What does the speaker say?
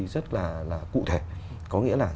rất là cụ thể có nghĩa là